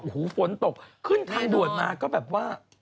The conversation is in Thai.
โอ้โหฝนตกขึ้นทางด่วนมาก็แบบว่า